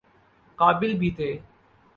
قابل بھی تھے۔